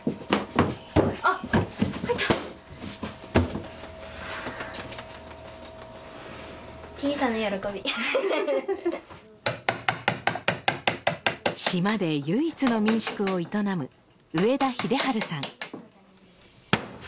あっ入った小さな喜びウッフフフ島で唯一の民宿を営む上田英治さん